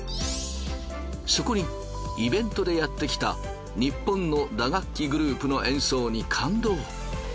そこにイベントでやってきたニッポンの打楽器グループの演奏に感動。